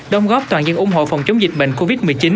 đồng góp toàn dân ủng hộ phòng chống covid một mươi chín